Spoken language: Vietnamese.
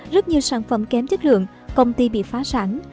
rất nhiều sản phẩm kém chất lượng công ty bị phá sản